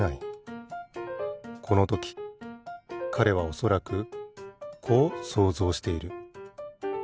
このときかれはおそらくこう想像している。